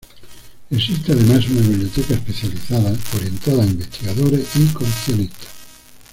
Existe además una biblioteca especializada orientada a investigadores y coleccionistas.